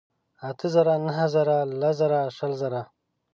اتۀ زره ، نهه زره لس ژره شل زره